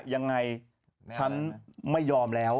ยังไงฉันไม่ยอมแล้ว